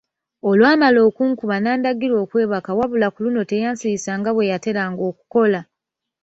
Olwamala okunkuba n'andagira okwebaka wabula ku luno teyansirisa nga bwe yateranga okukola.